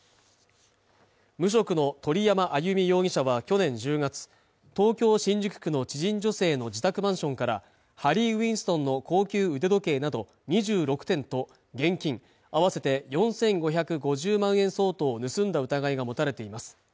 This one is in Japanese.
無職の鳥山あゆみ容疑者は去年１０月東京新宿区の知人女性の自宅マンションからハリーウィンストンの高級腕時計など２６点と現金合わせて４５５０万円相当を盗んだ疑いが持たれています